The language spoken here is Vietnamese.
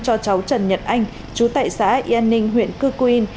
cho cháu trần nhật anh chú tại xã yên ninh huyện cư quyên